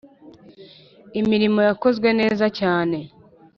Imirimo yakozwe neza cyane